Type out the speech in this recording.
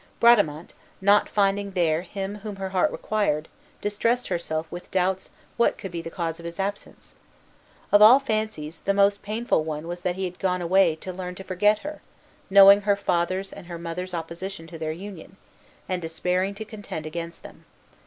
Bradamante, not finding there him whom her heart required, distressed herself with doubts what could be the cause of his absence. Of all fancies, the most painful one was that he had gone away to learn to forget her, knowing her father's and her mother's opposition to their union, and despairing to contend against them.